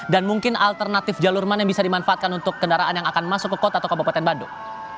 dan mungkin alternatif jalur mana yang bisa dimanfaatkan untuk kendaraan yang akan masuk ke kota atau ke bapak tengah bandung